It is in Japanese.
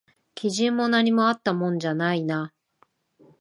基準も何もあったもんじゃないな